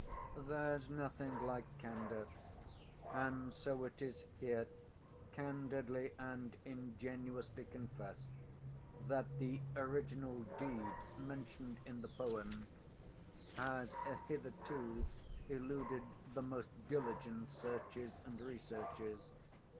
There's nothing like candour; and so it is here candidly and ingenuously confessed that the original deed mentioned in the poem, has hitherto eluded the most diligent searches and researches.